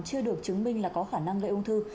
chưa được chứng minh là có khả năng gây ung thư